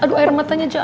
aduh air matanya jatuh